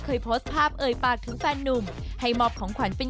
เคยโพสต์ภาพเอ่ยปากถึงแฟนนุ่มให้มอบของขวัญเป็น